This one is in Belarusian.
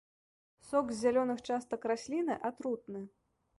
Сок з зялёных частак расліны атрутны.